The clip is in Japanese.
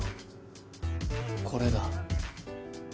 これだ。